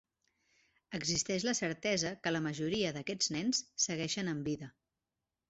Existeix la certesa que la majoria d'aquests nens segueixen amb vida.